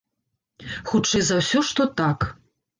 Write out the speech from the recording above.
Хутчэй за ўсё, што так.